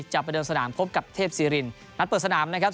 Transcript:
จะประเดิมสนามพบกับเทพศิรินนัดเปิดสนามนะครับ